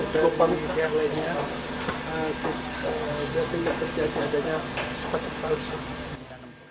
untuk membuatnya terjadi adanya vaksin palsu